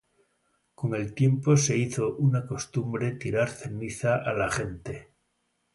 Con el tiempo se hizo una costumbre tirar ceniza a la gente.